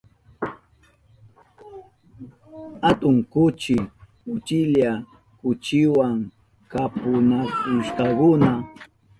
Atun kuchi uchilla kuchiwa chapunakushkakuna.